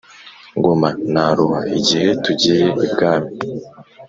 Ngoma naruha! Igihe tugiye ibwami,